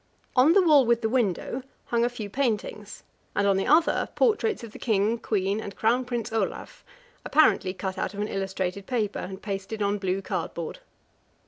On the wall with the window hung a few paintings, and on the other portraits of the King, Queen, and Crown Prince Olav, apparently cut out of an illustrated paper, and pasted on blue cardboard.